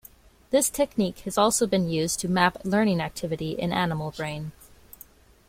This technique has also been used to map learning activity in animal brain.